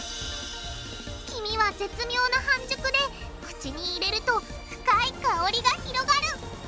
黄身は絶妙な半熟で口に入れると深い香りが広がる。